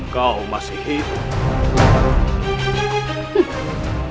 kau masih hidup